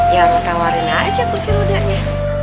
ya harus tawarin aja kursi rodanya